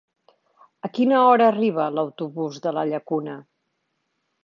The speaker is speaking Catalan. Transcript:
A quina hora arriba l'autobús de la Llacuna?